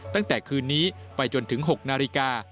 ตั้งแต่คืนนี้ไปจนถึง๖นาฬิกา